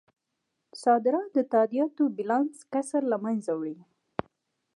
صادرات د تادیاتو بیلانس کسر له مینځه وړي.